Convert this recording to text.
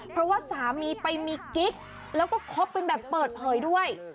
เพราะว่าสามีไปมีกิ๊กแล้วก็คบกันแบบเปิดเผยด้วย